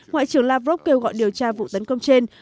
ngoại trưởng lavrov kêu gọi điều tra vụ tấn công trên